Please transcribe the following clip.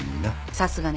さすがね。